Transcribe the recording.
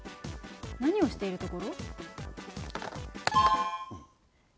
何をしているところ？え？